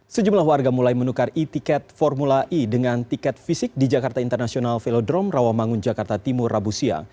sejumlah warga mulai menukar e tiket formula e dengan tiket fisik di jakarta international velodrome rawamangun jakarta timur rabu siang